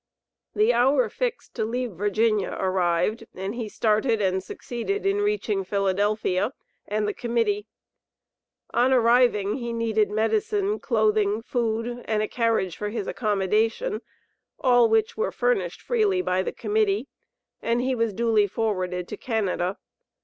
The hour fixed to leave Virginia arrived, and he started and succeeded in reaching Philadelphia, and the Committee. On arriving he needed medicine, clothing, food, and a carriage for his accommodation, all which were furnished freely by the Committee, and he was duly forwarded to Canada.